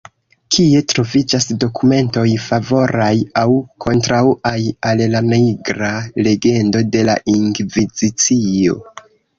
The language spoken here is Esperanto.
Kie troviĝas dokumentoj favoraj aŭ kontraŭaj al la Nigra legendo de la Inkvizicio.